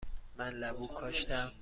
من لبو کاشتم.